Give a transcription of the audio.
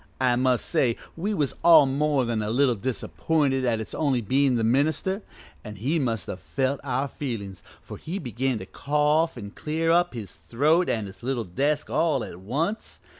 I must say we was all more than a little disappointed at its only bein' the minister, an' he must have felt our feelin's, for he began to cough an' clear up his throat an' his little desk all at once.